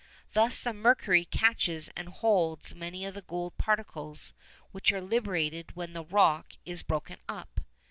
Thus the mercury catches and holds many of the gold particles which are liberated when the rock is broken up.